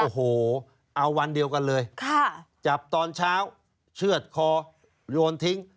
โอ้โหเอาวันเดียวกันเลยจับตอนเช้าเชื่อดคอโยนทิ้ง